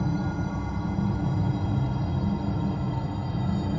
พี่ป๋องครับผมเคยไปที่บ้านผีคลั่งมาแล้ว